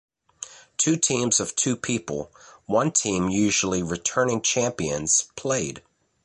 Two teams of two people, one team usually returning champions, played.